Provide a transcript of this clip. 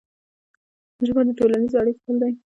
ژبه د ټولنیزو اړیکو پل دی.